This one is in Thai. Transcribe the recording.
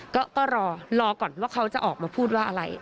ก็รอก่อนว่าเขาจะออกมาพูดว่าอะไร